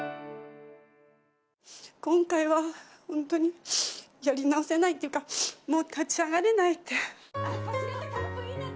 今回は本当にやり直せないというかもう、立ち上がれないって。